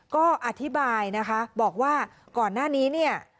ก็อธิบายนะคะบอกว่าก่อนหน้านี้เนี่ย